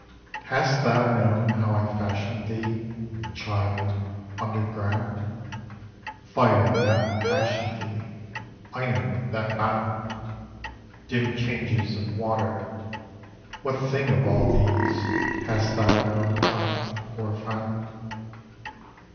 Hast thou known how I fashioned thee, Child, underground? Fire that impassioned thee, Iron that bound, Dim changes of water, what thing of all these hast thou known of or found?